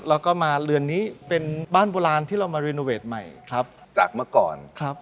แล้วก็มาเรือนนี้เป็นบ้านโบราณที่เรามารีโนเวทใหม่ครับจากเมื่อก่อนครับ